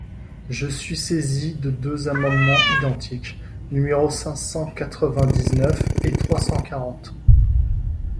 Je suis saisi de deux amendements identiques, numéros cinq cent quatre-vingt-dix-neuf et trois cent quarante.